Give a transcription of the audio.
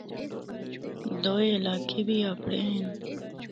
دوئے علاقے بی آپنڑے ہن۔